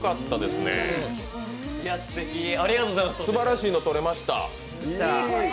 すばらしいのがとれました。